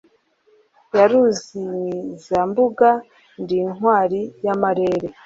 Yaruzimizambuga, ndi intwari y’amarere;